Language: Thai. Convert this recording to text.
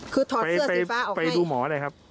คือถอดเสื้อสีฟ้าออกให้ไปดูหมอได้ครับ